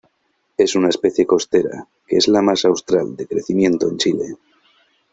Es una especie costera, que es la más austral de crecimiento en Chile.